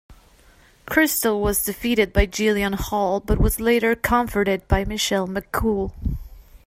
Kristal was defeated by Jillian Hall but was later conforted by Michelle McCool.